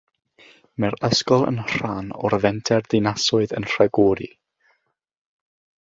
Mae'r ysgol yn rhan o'r fenter "Dinasoedd yn Rhagori".